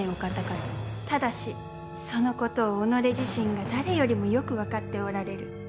ただしそのことを己自身が誰よりもよく分かっておられる。